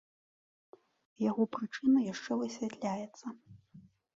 Яго прычына яшчэ высвятляецца.